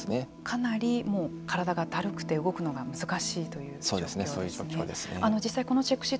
かなりもう、体がだるくて動くのが難しい状況ですね。